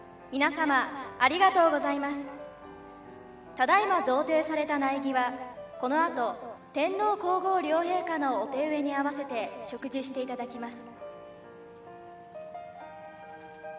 ただいま贈呈された苗木はこのあと天皇皇后両陛下のお手植えに合わせて植樹していただきます。